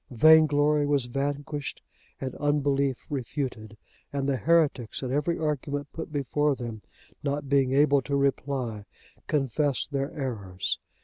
Vainglory was vanquished and unbelief refuted; and the heretics, at every argument put before them, not being able to reply, confessed their errors.